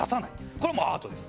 これはもうアートです。